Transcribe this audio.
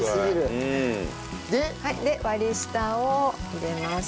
で割り下を入れます。